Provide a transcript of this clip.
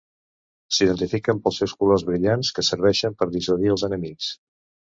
S'identifiquen pels seus colors brillants que serveixen per dissuadir als enemics.